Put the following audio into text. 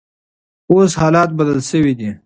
اوس حالات بدل شوي دي.